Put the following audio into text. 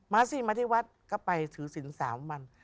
สิมาที่วัดก็ไปถือศิลป์๓วัน